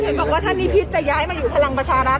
เห็นบอกว่าท่านนิพิษจะย้ายมาอยู่พลังประชารัฐ